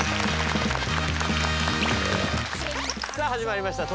さあ始まりました